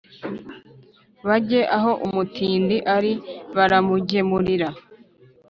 bajye aho umutindi ari, baramugemurira.